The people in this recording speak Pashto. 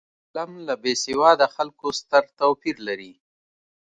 قلم له بېسواده خلکو ستر توپیر لري